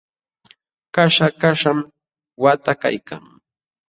Kaśha kaśham waqta kaykan.